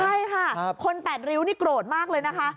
ใช่ค่ะคน๘ริ้วนี่โกรธมากเลยนะคะ